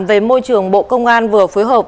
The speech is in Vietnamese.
về môi trường bộ công an vừa phối hợp